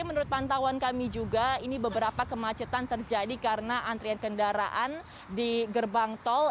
menurut pantauan kami juga ini beberapa kemacetan terjadi karena antrian kendaraan di gerbang tol